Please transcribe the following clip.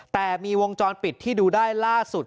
แต่มีวงจรปิดที่ดูได้ล่าสุด